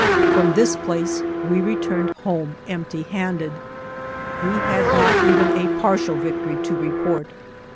From this place we returned home empty handed. We had not even a partial victory to report.